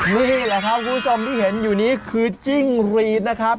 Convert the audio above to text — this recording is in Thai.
นี่แหละครับคุณผู้ชมที่เห็นอยู่นี้คือจิ้งรีดนะครับ